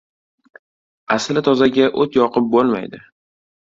asli tozaga o‘t yoqib bo‘lmaydi.